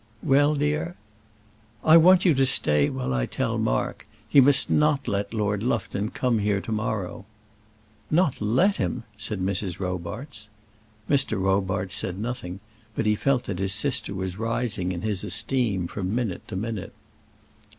"Well, dear?" "I want you to stay while I tell Mark. He must not let Lord Lufton come here to morrow." "Not let him!" said Mrs. Robarts. Mr. Robarts said nothing, but he felt that his sister was rising in his esteem from minute to minute.